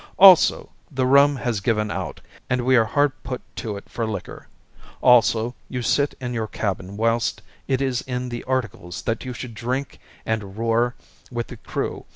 Also, the rum has given out, and we are hard put to it for liquor. Also, you sit in your cabin whilst it is in the articles that you should drink and roar with the crew.